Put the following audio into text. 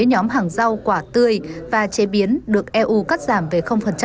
nhóm hàng rau quả tươi và chế biến được eu cắt giảm về